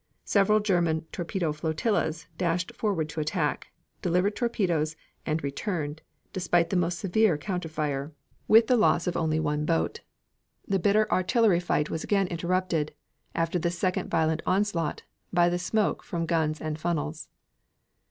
Several German torpedo flotillas dashed forward to attack, delivered torpedoes, and returned, despite the most severe counterfire, with the loss of only one boat. The bitter artillery fire was again interrupted, after this second violent onslaught, by the smoke from guns and funnels.